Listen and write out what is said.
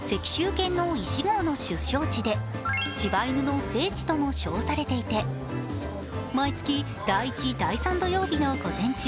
益田市は柴犬の祖先とされる石号の出生地で「柴犬の聖地」とも称されていて毎月第１第３土曜日の午前中